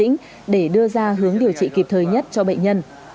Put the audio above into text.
bệnh viện đa khoa tỉnh hà tĩnh để đưa ra hướng điều trị kịp thời nhất cho bệnh nhân